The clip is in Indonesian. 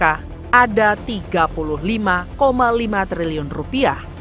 ada tiga puluh lima lima triliun rupiah